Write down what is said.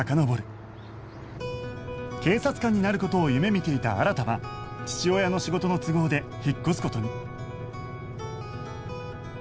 警察官になる事を夢見ていた新は父親の仕事の都合で引っ越す事に